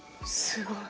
すごい。